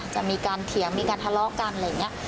เถียงมีการทะเลาะกันอะไรอย่างนี้